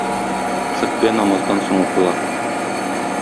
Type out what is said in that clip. Хөтбә намаздан соң укыла.